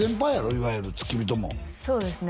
いわゆる付き人もそうですね